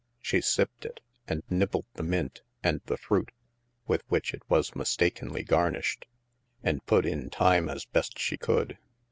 She sipped it, and nibbled the mint and the fruit (with which it was mistakenly garnished), and put in time as best she could.